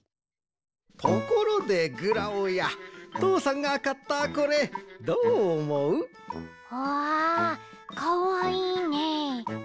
ところでグラオやとうさんがかったこれどうおもう？わかわいいね！